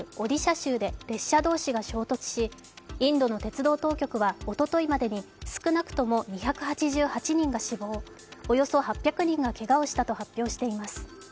州で列車同士が衝突しインドの鉄道当局はおとといまでに少なくとも２８８人が死亡、およそ８００人がけがをしたと発表しています。